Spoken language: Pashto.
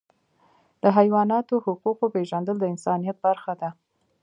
د حیواناتو حقوق پیژندل د انسانیت برخه ده.